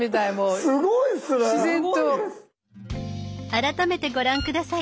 改めてご覧下さい。